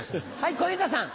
小遊三さん。